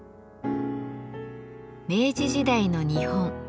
明治時代の日本。